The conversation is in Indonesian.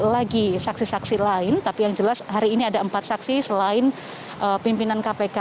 lagi saksi saksi lain tapi yang jelas hari ini ada empat saksi selain pimpinan kpk